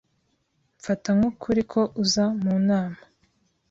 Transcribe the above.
Mfata nk'ukuri ko uza mu nama